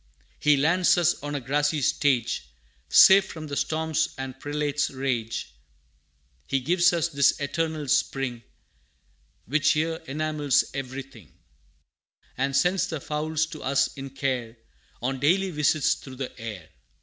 He lands us on a grassy stage, Safe from the storms and prelates' rage; He gives us this eternal spring, Which here enamels everything, And sends the fowls to us in care, On daily visits through the air.